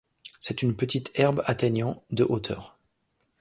C'est une petite herbe atteignant de hauteur.